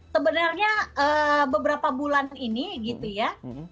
sebenarnya beberapa bulan ini gitu ya